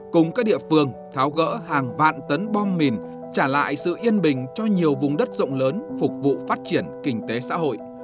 cùng các địa phương tháo gỡ hàng vạn tấn bom mìn trả lại sự yên bình cho nhiều vùng đất rộng lớn phục vụ phát triển kinh tế xã hội